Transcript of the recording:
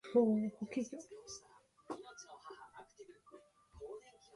そして、私から一マイルとは離れていない眼の前に見えて来たのです。私はさっそく、望遠鏡を取り出して眺めました。